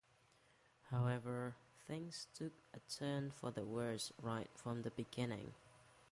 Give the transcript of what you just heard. However, things took a turn for the worse right from the beginning.